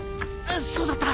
そうだった。